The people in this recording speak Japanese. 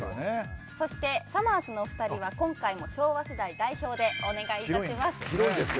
そしてさまぁずのお二人は今回も昭和世代代表でお願いいたします。